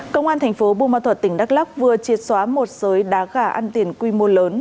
công an thành phố bù ma thuật tỉnh đắk lắc vừa triệt xóa một sới đá gà ăn tiền quy mô lớn